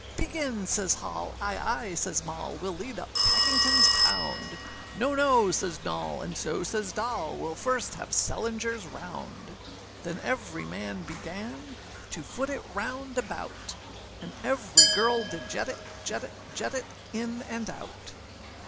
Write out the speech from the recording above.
âBegin,â says Hall; âAye, aye,â says Mall, âWeâll lead up Packingtonâs Pound;â âNo, no,â says Noll, and so says Doll, âWeâll first have Sellengerâs Round.â {165a} Then every man began To foot it round about; And every girl did jet it, Jet it, jet it, in and out.